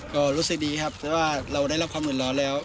ก็รู้สึกดีครับว่าเราได้รับความหุ่นร้อนแล้ว